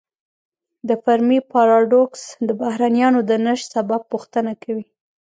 د فرمی پاراډوکس د بهرنیانو د نشت سبب پوښتنه کوي.